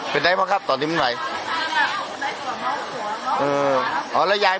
สารแหงของมั้งวัฒนาอาทิตย์